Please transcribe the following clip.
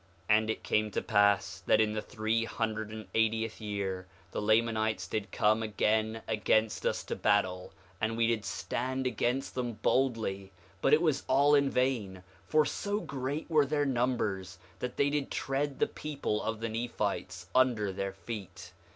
5:6 And it came to pass that in the three hundred and eightieth year the Lamanites did come again against us to battle, and we did stand against them boldly; but it was all in vain, for so great were their numbers that they did tread the people of the Nephites under their feet.